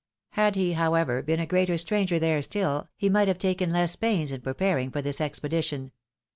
Had he, however, been a greater stranger there still, he might have taken less pains in preparing for this expedition.